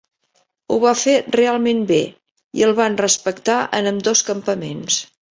Ho va fer realment bé i el van respectar en ambdós campaments.